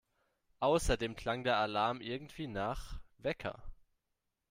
Außerdem klang der Alarm irgendwie nach … Wecker!